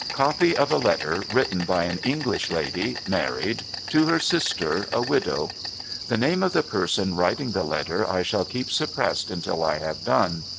' Copy of a letter, written by an English lady (married) to her sister, a widow. The name of the person writing the letter I shall keep suppressed until I have done.